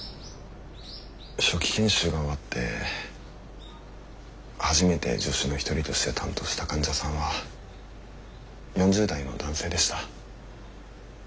初期研修が終わって初めて助手の一人として担当した患者さんは４０代の男性でした。